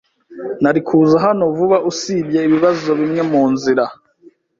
Nari kuza hano vuba usibye ibibazo bimwe munzira.